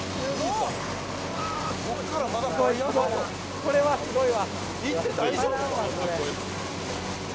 これはすごいわ。